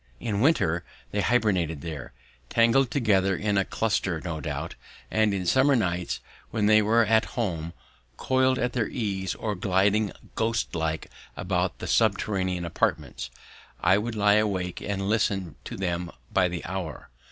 In winter they hibernated there, tangled together in a cluster no doubt; and in summer nights when they were at home, coiled at their ease or gliding ghost like about their subterranean apartments, I would lie awake and listen to them by the hour.